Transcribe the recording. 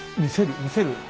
見せる？